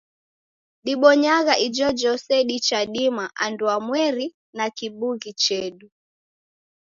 Dibonyagha ijojose dichadima anduamweri na kibughi chedu.